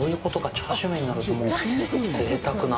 チャーシュー麺になるともうぜいたくな。